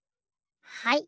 はい。